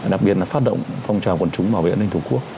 đặc biệt là phát động phong trào quân chúng bảo vệ an ninh thủ quốc